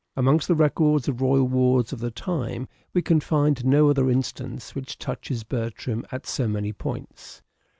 Amongst the records of royal wards of the time we can find no other instance which touches Bertram at so many points.